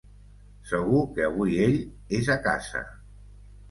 Segur que avui ell és a casa.